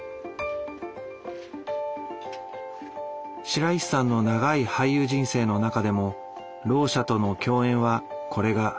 白石さんの長い俳優人生の中でもろう者との共演はこれが初めて。